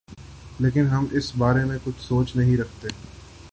لیکن ہم اس بارے کچھ سوچ نہیں رکھتے۔